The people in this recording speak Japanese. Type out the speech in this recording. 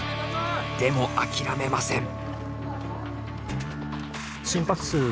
でも諦めません。